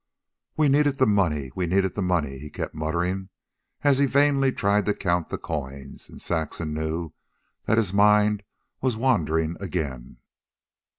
"We needed the money, we needed the money," he kept muttering, as he vainly tried to count the coins; and Saxon knew that his mind was wandering again.